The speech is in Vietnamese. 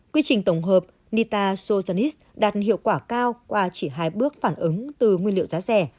quy trình tổng hợp nita sojanis đạt hiệu quả cao qua chỉ hai bước phản ứng từ nguyên liệu giá rẻ